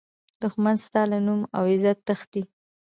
دښمن ستا له نوم او عزته تښتي